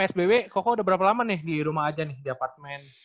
sbw koko udah berapa lama nih di rumah aja nih di apartemen